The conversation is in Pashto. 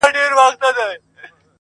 • فیصله وکړه خالق د کایناتو -